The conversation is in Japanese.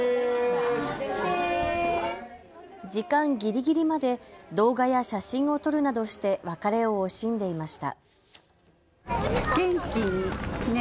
時間ギリギリまで動画や写真を撮るなどして別れを惜しんでいました。